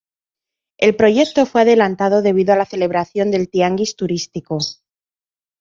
El proyecto fue adelantado debido a la celebración del Tianguis Turístico.